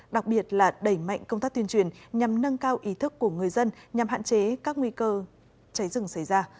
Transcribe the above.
đặc biệt là đẩy mạnh công tác tuyên truyền nhằm nâng cao ý thức của người dân nhằm hạn chế các nguy cơ cháy rừng xảy ra